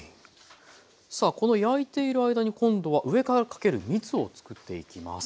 さあこの焼いている間に今度は上からかけるみつをつくっていきます。